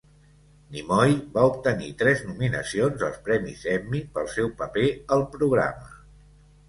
Nimoy va obtenir tres nominacions als premis Emmy pel seu paper al programa.